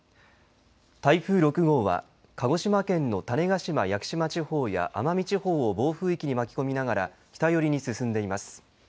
台風６号は鹿児島県の種子島・屋久島地方や奄美地方を暴風域に巻き込みながら北寄りに進んでいます。